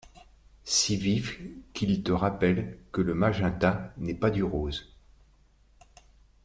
Si vif qu’il te rappelle que le magenta n’est pas du rose.